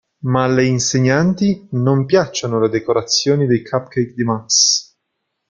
Ma alle insegnanti non piacciono le decorazioni dei cupcake di Max.